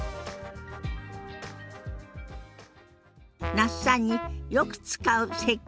那須さんによく使う接客